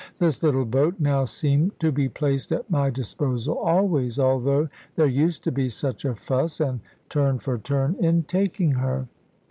This little boat now seemed to be placed at my disposal always, although there used to be such a fuss, and turn for turn, in taking her.